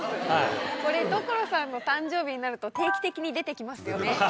これ所さんの誕生日になると定期的に出てきますよね。